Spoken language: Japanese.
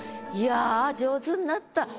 いや上手になった。